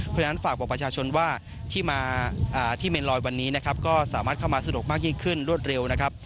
เพราะฉะนั้นฝากบอกประชาชนว่าที่มาที่เมนลอยวันนี้นะครับก็สามารถเข้ามาสะดวกมากยิ่งขึ้นรวดเร็วนะครับ